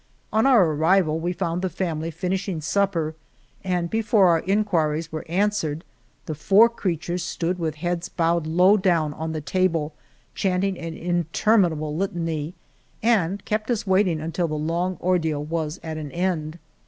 On our arrival we found the family finishing supper, and before our inquiries were an swered the four creatures stood with heads bowed low down on the table, chanting an interminable litany, and kept us waiting un til the long ordeal was at an end.